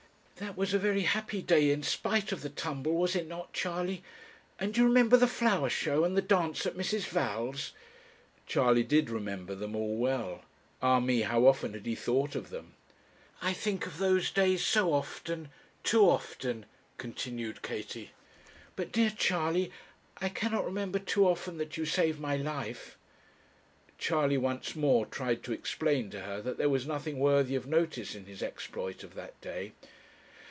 'That was a very happy day in spite of the tumble, was it not, Charley? And do you remember the flower show, and the dance at Mrs. Val's?' Charley did remember them all well. Ah me! how often had he thought of them! 'I think of those days so often too often,' continued Katie. 'But, dear Charley, I cannot remember too often that you saved my life.' Charley once more tried to explain to her that there was nothing worthy of notice in his exploit of that day.